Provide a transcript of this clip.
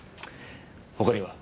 他には？